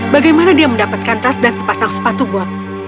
bagaimana dia mendapatkan tas dan sepasang sepatu bot